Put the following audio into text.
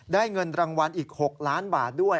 เงินรางวัลอีก๖ล้านบาทด้วย